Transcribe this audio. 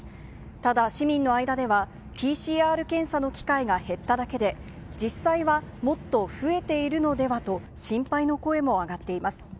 ただ、市民の間では、ＰＣＲ検査の機会が減っただけで、実際はもっと増えているのではと、心配の声も上がっています。